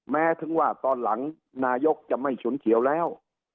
แม้ถึงว่าตอนหลังนายกจะไม่ฉุนเฉียวแล้ว